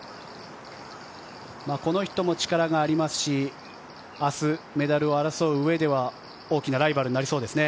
この人も力がありますし明日、メダルを争ううえでは大きなライバルになりそうですね。